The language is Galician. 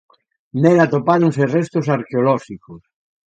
Nel atopáronse restos arqueolóxicos.